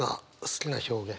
好きな表現。